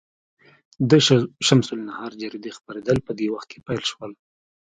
د شمس النهار جریدې خپرېدل په دې وخت کې پیل شول.